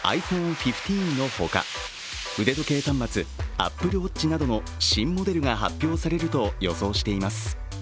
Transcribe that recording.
１５のほか、腕時計端末・ＡｐｐｌｅＷａｔｃｈなどの新モデルが発表されると予想しています。